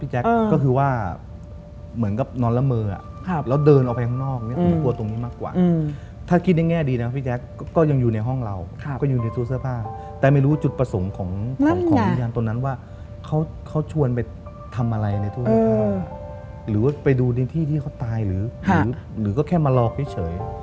หรือว่าไปดูในที่ที่เขาตายหรือหรือก็แค่มารอกเท่าไหร่